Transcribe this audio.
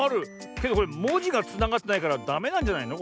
けどこれもじがつながってないからダメなんじゃないの？